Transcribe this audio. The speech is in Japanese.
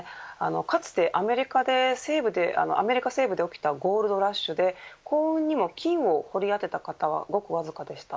かつて、アメリカで西部で起きたゴールドラッシュで幸運にも金を掘り当てた方はごくわずかでした。